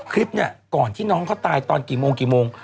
คลิปเนี่ยก่อนที่น้องเขาตายตอนกี่โมงกี่โมง